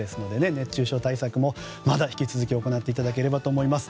熱中症対策もまだ引き続き行っていただければと思います。